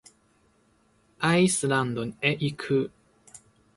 アイスランドへ行く。